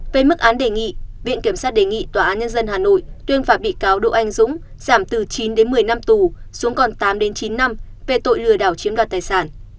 về mức án đề nghị viện kiểm sát đề nghị tòa án nhân dân hà nội tuyên phạt bị cáo đỗ anh dũng giảm từ chín đến một mươi năm tù xuống còn tám đến chín năm về tội lừa đảo chiếm đoạt tài sản